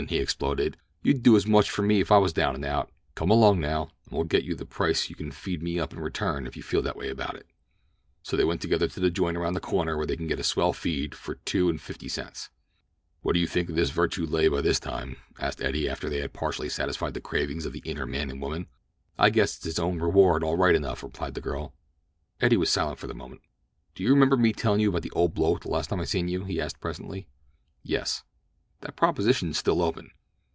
he exploded. "You'd do as much for me if I was down and out. Come along now, and when you get the price you can feed me up in return if you feel that way about it." And so they went together to the joint around the corner where they could get a swell feed for two for fifty cents. "What do you think of this virtue lay by this time?" asked Eddie after they had partially satisfied the cravings of the inner man and woman. "I guess it's its own reward all right enough," replied the girl. Eddie was silent for a moment. "Do you remember me tellin' you about an old bloke the last time I seen you?" he asked presently. "Yes." "That proposition's still open."